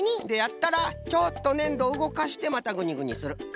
でやったらちょっとねんどをうごかしてまたグニグニする。